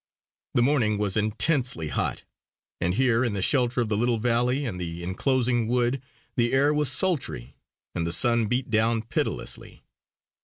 The morning was intensely hot; and here, in the shelter of the little valley and the enclosing wood, the air was sultry, and the sun beat down pitilessly.